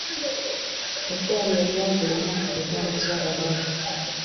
Eddwaliro lyagula emmotoka etambuza abalwadde.